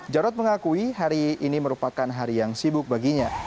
jarod mengakui hari ini merupakan hari yang sibuk baginya